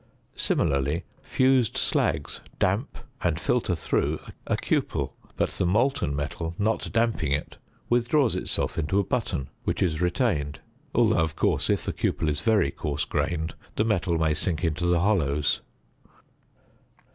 Similarly, fused slags damp and filter through a cupel, but the molten metal not damping it withdraws itself into a button, which is retained. Although, of course, if the cupel is very coarse grained the metal may sink into the hollows.